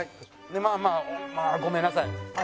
まあまあまあごめんなさい。